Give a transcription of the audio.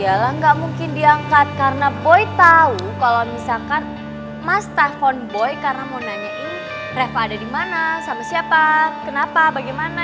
iyalah nggak mungkin diangkat karena boy tahu kalau misalkan mas telpon boy karena mau nanyain reva ada di mana sama siapa kenapa bagaimana